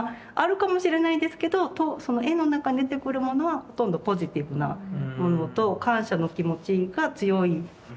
あるかもしれないんですけど絵の中に出てくるものはほとんどポジティブなものと感謝の気持ちが強い。